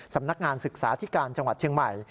สำนักงานศึกษาธิการจังหวัดเชียงใหม่